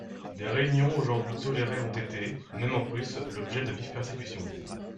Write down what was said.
Des réunions aujourd'hui tolérées ont été, même en Prusse, l'objet de vives persécutions.